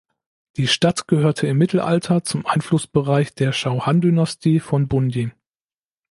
Die Stadt gehörte im Mittelalter zum Einflussbereich der Chauhan-Dynastie von Bundi.